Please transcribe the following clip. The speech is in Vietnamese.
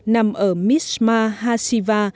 nằm ở mishma hasiva